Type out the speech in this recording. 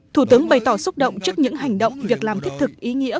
thủ tướng bày tỏ xúc động trước những hành động việc làm thiết thực ý nghĩa